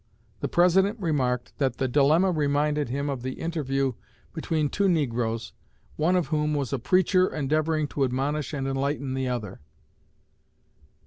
The President remarked that the dilemma reminded him of the interview between two negroes, one of whom was a preacher endeavoring to admonish and enlighten the other.